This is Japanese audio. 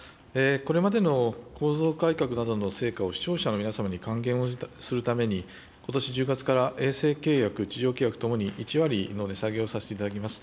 これまでの構造改革などの成果を視聴者の皆様に還元をするために、ことし１０月から衛星契約、地上契約ともに１割の値下げをさせていただきます。